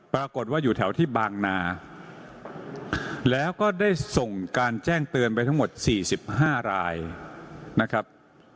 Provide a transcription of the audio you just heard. ปรากฏว่าอยู่แถวที่บางนาแล้วก็ได้ส่งการแจ้งเตือนไปทั้งหมด๔๕รายนะครับ